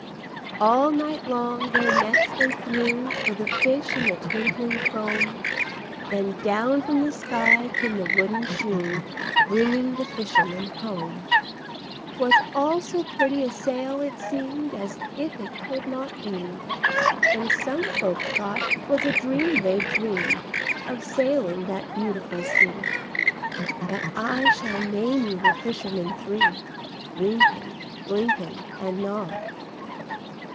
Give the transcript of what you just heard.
All night long their nets they threw To the stars in the twinkling foam,— Then down from the skies came the wooden shoe, Bringing the fishermen home: 'Twas all so pretty a sail, it seemed As if it could not be; And some folk thought 'twas a dream they'd dreamed Of sailing that beautiful sea; But I shall name you the fishermen three: Wynken, Blynken, And Nod.